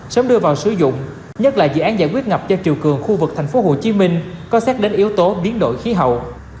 sớm đưa vào sử dụng nhất là dự án giải quyết ngập cho triều cường khu vực tp hcm có xét đến yếu tố biến đổi khí hậu